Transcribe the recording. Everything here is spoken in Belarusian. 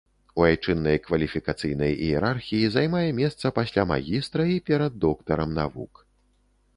У айчыннай кваліфікацыйнай іерархіі займае месца пасля магістра і перад доктарам навук.